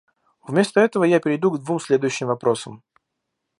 Вместо этого я перейду к двум следующим вопросам.